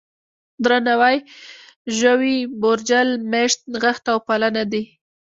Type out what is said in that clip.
درناوی، ژوي، بورجل، مېشت، نغښته او پالنه دي.